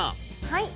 はい。